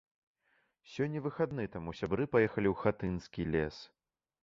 Сёння выхадны, таму сябры паехалі у хатынскі лес.